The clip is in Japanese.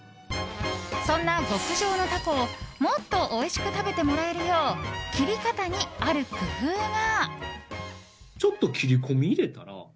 そんな極上のタコをもっとおいしく食べてもらえるよう切り方に、ある工夫が。